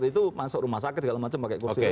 itu masuk rumah sakit segala macam pakai kursi roda